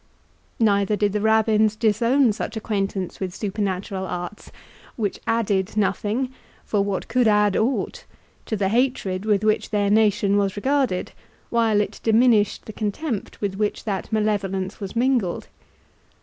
Neither did the Rabbins disown such acquaintance with supernatural arts, which added nothing (for what could add aught?) to the hatred with which their nation was regarded, while it diminished the contempt with which that malevolence was mingled.